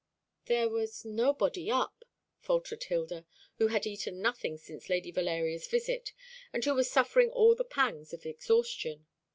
"There was nobody up," faltered Hilda, who had eaten nothing since Lady Valeria's visit, and who was suffering all the pangs of exhaustion.